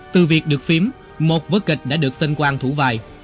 từ việc được phím một vớt kịch đã được tên quang thủ vai